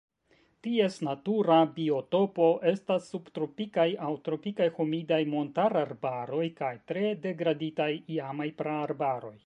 Ties natura biotopo estas subtropikaj aŭ tropikaj humidaj montararbaroj kaj tre degraditaj iamaj praarbaroj.